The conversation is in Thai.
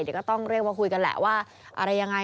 เดี๋ยวก็ต้องเรียกว่าคุยกันแหละว่าอะไรยังไง